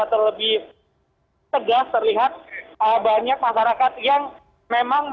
atau lebih tegas terlihat banyak masyarakat yang memang